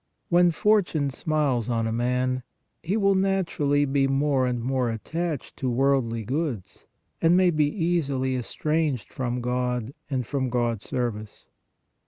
When fortune smiles on a man, he will naturally be more and more attached to worldly goods and may be easily estranged from God and from God s service.